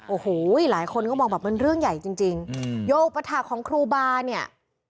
โอ้โหหลายคนก็มองแบบมันเรื่องใหญ่จริงจริงโยอุปถาคของครูบาเนี่ย